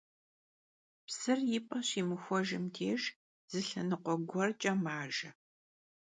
Psır yi p'em şimıxuejjım dêjj, zı lhenıkhue guerç'e majje.